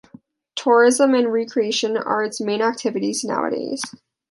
Tourism and recreation are its main activities nowadays.